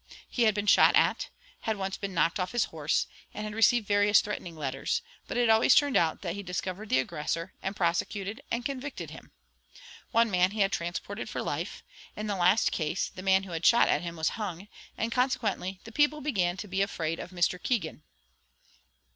He had been shot at, had once been knocked off his horse, and had received various threatening letters; but it always turned out that he discovered the aggressor, and prosecuted and convicted him. One man he had transported for life; in the last case, the man who had shot at him was hung; and consequently the people began to be afraid of Mr. Keegan.